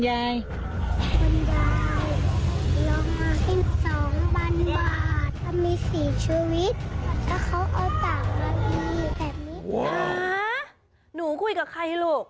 หนูคุยกับใครลูก